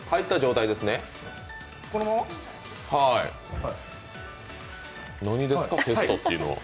何ですか、テストというのは。